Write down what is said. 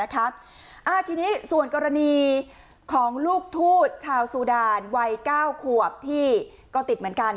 ทีนี้ส่วนกรณีของลูกทูตชาวซูดานวัย๙ขวบที่ก็ติดเหมือนกัน